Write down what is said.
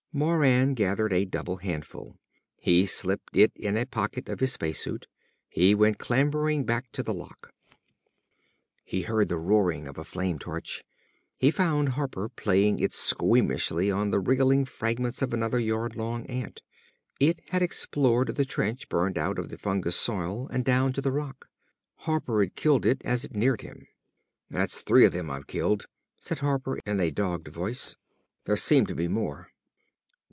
Moran gathered a double handful. He slipped it in a pocket of his space suit. He went clambering back to the lock. He heard the roaring of a flame torch. He found Harper playing it squeamishly on the wriggling fragments of another yard long ant. It had explored the trench burned out of the fungus soil and down to the rock. Harper'd killed it as it neared him. "That's three of them I've killed," said Harper in a dogged voice. "There seem to be more."